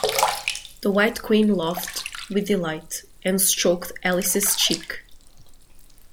The White Queen laughed with delight, and stroked Alice’s cheek.